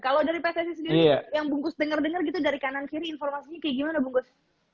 kalau dari pssi sendiri yang bungkus denger denger gitu dari kanan kiri informasinya kayak gimana bu ngoz